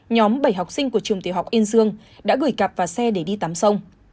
nhóm bảy học sinh của trường tiểu học yên dương đã gửi cặp vào xe để đi tắm sông